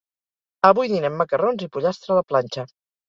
Avui dinem macarrons i pollastre a la planxa.